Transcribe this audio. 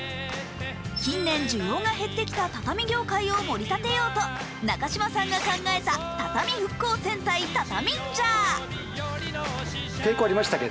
近年需要が減ってきた畳み業界を盛り立てようと中島さんが考えた畳復興戦隊タタミンジャー。